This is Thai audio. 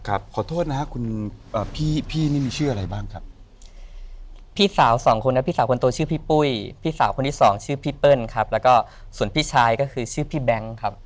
แล้วก็ส่วนพี่ชายก็คือชื่อพี่แบงค์ครับ